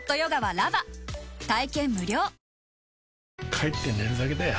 帰って寝るだけだよ